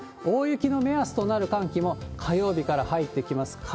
大雪の目安となる寒気も火曜日から入ってきます。